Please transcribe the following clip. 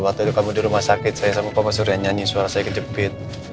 waktu itu kamu di rumah sakit saya sama bapak surya nyanyi suara saya kejepit